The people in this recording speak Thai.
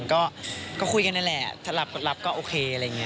ก็คุยกันได้แหละถ้าหลับกดลับก็โอเคอะไรอย่างนี้